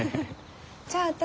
じゃあ私。